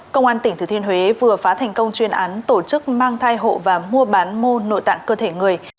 công an tỉnh thừa thiên huế vừa phá thành công chuyên án tổ chức mang thai hộ và mua bán mô nội tạng cơ thể người